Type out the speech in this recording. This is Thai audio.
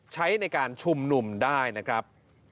ใช้ในการชุมนุมได้นะครับ